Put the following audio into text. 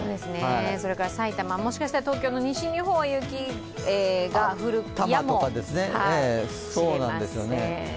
それから埼玉、もしかしたら東京の西では雪が降るやもしれません。